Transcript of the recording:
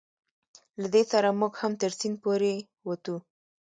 له دې سره موږ هم تر سیند پورې وتو.